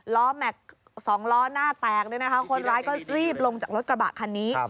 ล้อแม็กซ์๒ล้อหน้าแตกคนร้ายก็รีบลงจากรถกระบะคันนี้